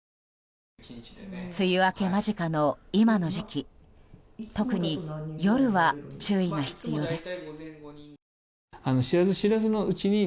梅雨明け間近の今の時期特に夜は注意が必要です。